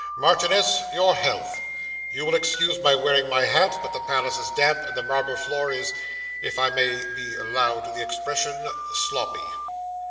Marchioness, your health. You will excuse my wearing my hat, but the palace is damp, and the marble floor is if I may be allowed the expression sloppy.